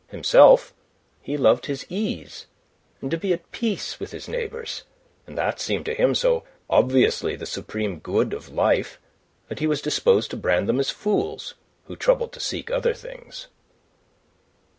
Himself he loved his ease, and to be at peace with his neighbours; and that seemed to him so obviously the supreme good of life that he was disposed to brand them as fools who troubled to seek other things.